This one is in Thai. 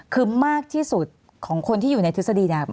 คือมากที่สุดของคนที่อยู่ในทฤษฎีเนี่ย